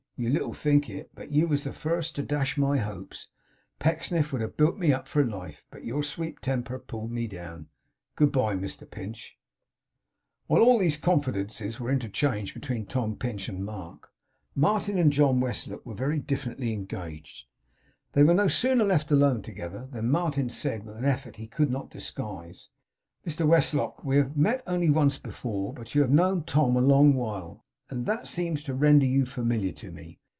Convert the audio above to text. You little think it, but you was the first to dash my hopes. Pecksniff would have built me up for life, but your sweet temper pulled me down. Good bye, Mr Pinch!' While these confidences were interchanged between Tom Pinch and Mark, Martin and John Westlock were very differently engaged. They were no sooner left alone together than Martin said, with an effort he could not disguise: 'Mr Westlock, we have met only once before, but you have known Tom a long while, and that seems to render you familiar to me.